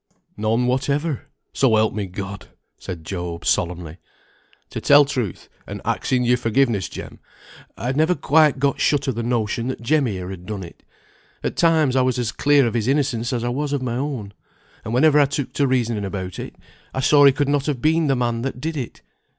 "None whatever, so help me God!" said Job, solemnly. "To tell truth (and axing your forgiveness, Jem), I had never got quite shut of the notion that Jem here had done it. At times I was as clear of his innocence as I was of my own; and whenever I took to reasoning about it, I saw he could not have been the man that did it.